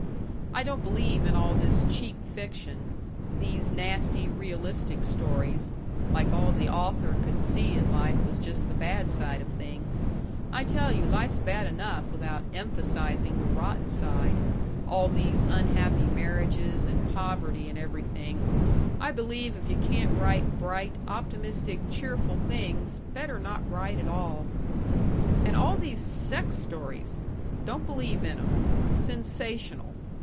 I don't believe in all this cheap fiction these nasty realistic stories (like all the author could see in life was just the bad side of things I tell you life's bad enough without emphasizing the rotten side, all these unhappy marriages and poverty and everything I believe if you can't write bright, optimistic, cheerful things, better not write at all). And all these sex stories! Don't believe in 'em! Sensational!